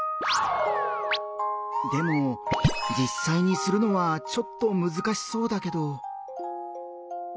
でもじっさいにするのはちょっとむずかしそうだけど。